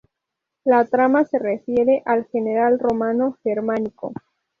La trama se refiere al general romano Germánico.